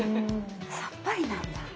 さっぱりなんだ。